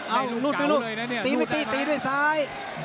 อ้าวรุ่นไปรุ่นตีไม่ตีตีด้วยซ้าย